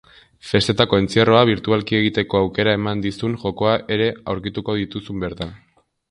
Festetako entzierroa birtualki egiteko aukera ematen dizun jokoa ere aurkituko dituzu bertan.